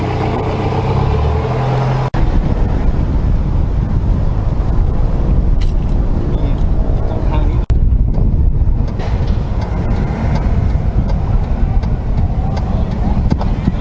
เมื่อเวลาอันดับสุดท้ายมันกลายเป็นภูมิที่สุดท้าย